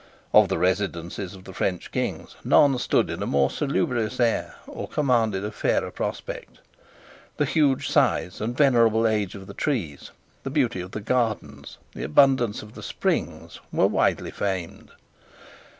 Of the residences of the French kings none stood in a more salubrious air or commanded a fairer prospect. The huge size and venerable age of the trees, the beauty of the gardens, the abundance of the springs, were widely famed.